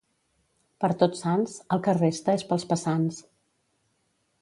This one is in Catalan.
Per Tots Sants, el que resta és pels passants.